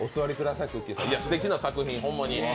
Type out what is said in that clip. すてきな作品、ほんまに。